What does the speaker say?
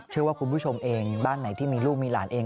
คุณผู้ชมเองบ้านไหนที่มีลูกมีหลานเอง